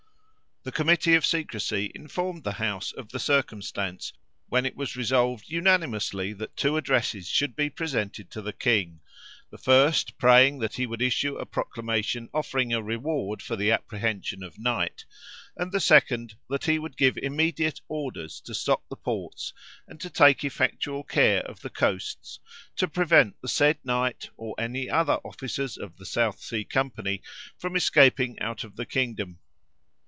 The Committee of Secrecy informed the House of the circumstance, when it was resolved unanimously that two addresses should be presented to the king; the first praying that he would issue a proclamation offering a reward for the apprehension of Knight; and the second, that he would give immediate orders to stop the ports, and to take effectual care of the coasts, to prevent the said Knight, or any other officers of the South Sea company, from escaping out of the kingdom.